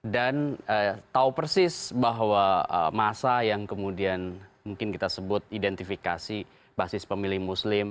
dan tahu persis bahwa masa yang kemudian mungkin kita sebut identifikasi basis pemilih muslim